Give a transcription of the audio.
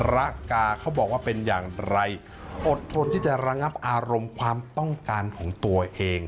ระกาเขาบอกว่าเป็นอย่างไรอดทนที่จะระงับอารมณ์ความต้องการของตัวเอง